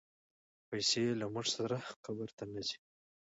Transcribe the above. پیسې له موږ سره قبر ته نه ځي.